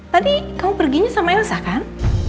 tadi kamu perginya sama elsa kan